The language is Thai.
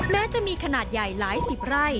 แม้จะมีขนาดใหญ่หลายสิบไร่